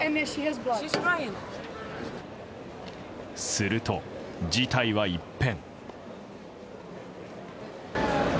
すると、事態は一変。